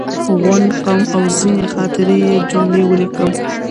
غونډ، قوم او ځینې خاطرې یې جملې ولیکم.